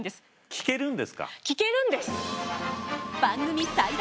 聞けるんです！